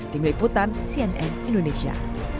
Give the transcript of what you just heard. tim liputan cnn indonesia